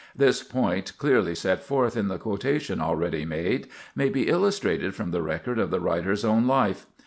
This point, clearly set forth in the quotation already made, may be illustrated from the record of the writer's own life.